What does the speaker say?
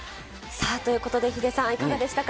ということでヒデさん、いかがでしたか。